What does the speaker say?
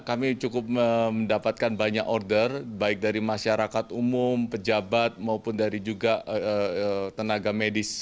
kami cukup mendapatkan banyak order baik dari masyarakat umum pejabat maupun dari juga tenaga medis